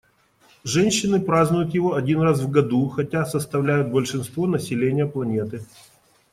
Женщины празднуют его один раз в году, хотя и составляют большинство населения планеты.